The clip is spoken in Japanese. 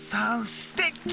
すてき。